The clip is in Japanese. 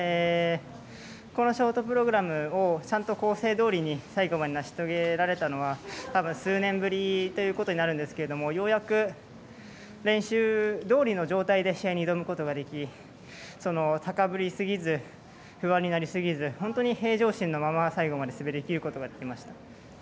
ショートプログラムをちゃんと構成どおりに最後まで成し遂げられたのはたぶん数年ぶりということになるんですけれどもようやく、練習どおりの状態で試合に挑むことができ高ぶりすぎず、不安になりすぎず本当に平常心のまま最後まで滑りきることができました。